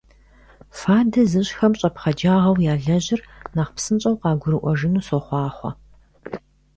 Фадэ зыщӀхэм щӀэпхъаджагъэу ялэжьыр нэхъ псынщӀэу къагурыӀуэжыну сохъуахъуэ!